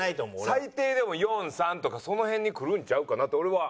最低でも４３とかその辺にくるんちゃうかなと俺は。